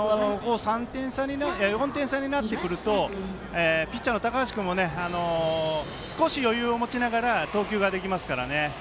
４点差になってくるとピッチャーの高橋君も少し余裕を持ちながら投球ができますからね。